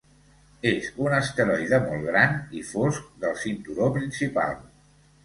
És un asteroide molt gran i fosc del cinturó principal.